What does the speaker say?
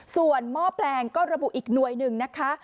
ส่วนหม้อแปลงก็ระบุอีกหน่วยหนึ่งนะคะ